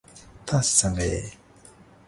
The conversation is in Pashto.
تاسو څنګه یئ؟